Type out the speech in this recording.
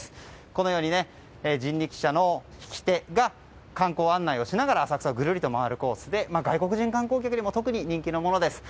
このように人力車の引き手が観光案内をしながら浅草をぐるりと回るコースで外国人観光客にも特に人気のものです。